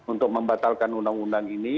untuk membatalkan undang undang ini